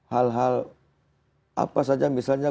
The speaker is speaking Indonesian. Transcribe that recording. hal hal apa saja misalnya